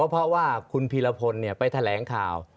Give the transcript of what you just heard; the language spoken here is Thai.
เพราะว่าคุณพีรพลไปแถลงข่าว